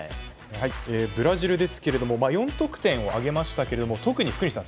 ブラジルですけれども４得点を挙げましたけども特に福西さん